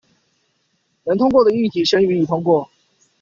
能通過的議題先予以通過